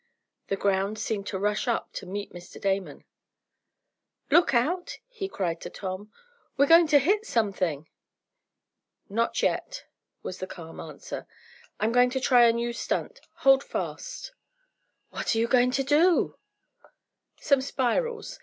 The ground seemed to rush up to meet Mr. Damon. "Look out!" he cried to Tom. "We're going to hit something!" "Not yet," was the calm answer "I'm going to try a new stunt. Hold fast!" "What are you going to do?" "Some spirals.